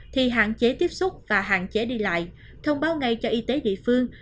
thì hạn chế tiếp xúc và hạn chế đi lại thông báo ngay cho y tế địa phương